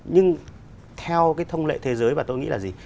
nhưng theo cái thông lệ thế giới và tôi nghĩ là gì